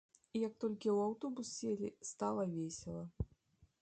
Як толькі ў аўтобус селі, стала весела.